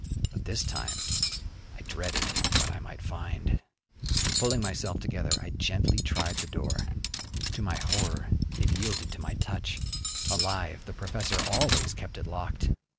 But this time I dreaded what I might find. Pulling myself together, I gently tried the door. To my horror it yielded to my touch. Alive, the professor always kept it locked.